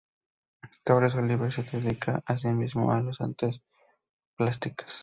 Torres Oliver se dedica asimismo a las artes plásticas.